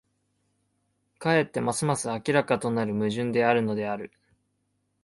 かえってますます明らかとなる矛盾であるのである。